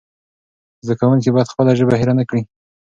زده کوونکي باید خپله ژبه هېره نه کړي.